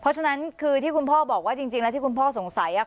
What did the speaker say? เพราะฉะนั้นคือที่คุณพ่อบอกว่าจริงแล้วที่คุณพ่อสงสัย